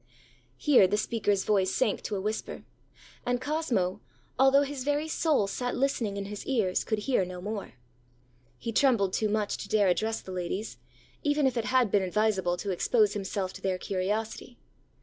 ã Here the speakerãs voice sank to a whisper; and Cosmo, although his very soul sat listening in his ears, could hear no more. He trembled too much to dare to address the ladies, even if it had been advisable to expose himself to their curiosity.